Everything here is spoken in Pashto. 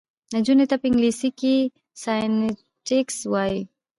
نحوي ته په انګلېسي کښي Syntax وایي.